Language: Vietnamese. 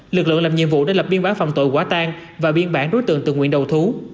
lực lượng làm nhiệm vụ đã lập biên bản phòng tội quả tan và biên bản đối tượng tự nguyện đầu thú